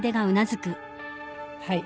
はい。